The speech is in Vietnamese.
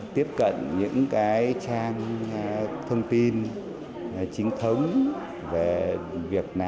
tiếp cận những trang thông tin chính thống về việc này